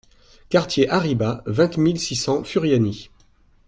Quartier A Riba, vingt mille six cents Furiani